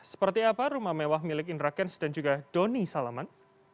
seperti apa rumah mewah milik indra kents dan juga doni salaman